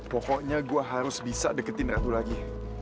pokoknya gue harus bisa deketin aku lagi